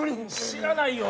知らないよ。